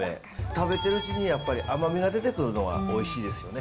食べてるうちにやっぱり甘みが出てくるのがおいしいですよね。